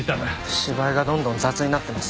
芝居がどんどん雑になってます。